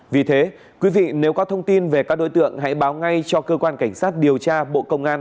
vì thế quý vị nếu có thông tin về các đối tượng hãy báo ngay cho cơ quan cảnh sát điều tra bộ công an